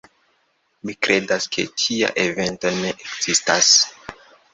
Mi kredas ke tia evento ne ekzistas.